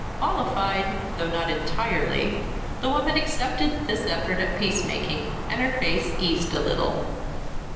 Mollified, though not entirely, the woman accepted this effort at peacemaking and her face eased a little.